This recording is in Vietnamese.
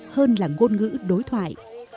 hơn là ngôn ngữ đối thoại